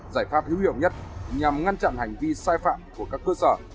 giải pháp hữu hiệu nhất nhằm ngăn chặn hành vi sai phạm của các cơ sở